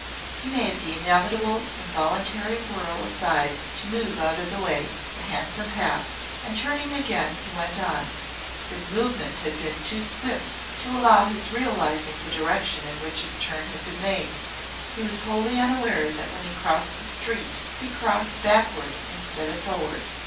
He made the inevitable involuntary whirl aside to move out of the way, the hansom passed, and turning again, he went on. His movement had been too swift to allow of his realizing the direction in which his turn had been made. He was wholly unaware that when he crossed the street he crossed backward instead of forward.